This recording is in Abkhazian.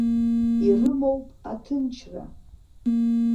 Ирымоуп аҭынчра.